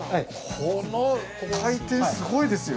この回転すごいですよ。